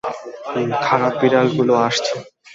খারাপ বিড়াল গুলো আসছে।